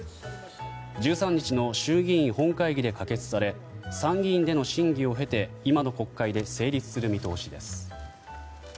１３日の衆議院本会議で可決され参議院での審議を経て今の国会で成立する見通しです。